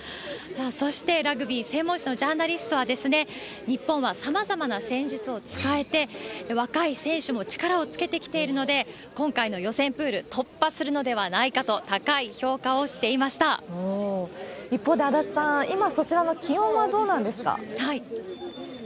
そして、ラグビー専門誌のジャーナリストは、日本はさまざまな戦術を使えて、若い選手も力をつけてきているので、今回の予選プール、突破するのではないかと高い評価をしてい一方で、足立さん、今、そちらの気温はどうなんですか？